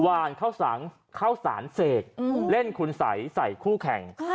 หวานเข้าเข้าสารเสกอืมเล่นคนใสใสคู่แข่ง